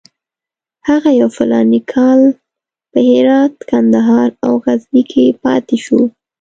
هغه یو فلاني کال په هرات، کندهار او غزني کې پاتې شو.